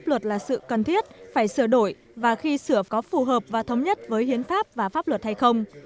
pháp luật là sự cần thiết phải sửa đổi và khi sửa có phù hợp và thống nhất với hiến pháp và pháp luật hay không